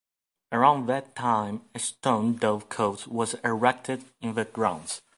Around that time a stone dovecote was erected in the grounds.